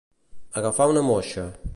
Agafar una moixa.